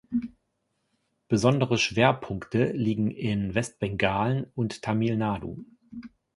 Besondere Schwerpunkte liegen in Westbengalen und Tamil Nadu.